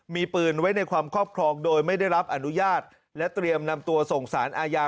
มีปืนไว้ในความครอบครองโดยไม่ได้รับอนุญาตและเตรียมนำตัวส่งสารอาญา